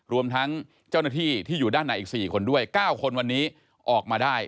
รวมทั้งเจ้าหน้าที่ที่อยู่ด้านในอีก๔คนด้วย๙คนวันนี้ออกมาได้